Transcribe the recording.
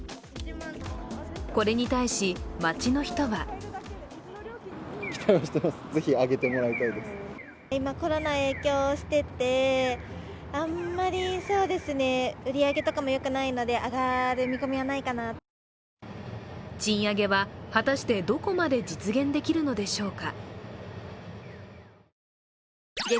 これに対し、街の人は賃上げは果たしてどこまで実現できるのでしょうか。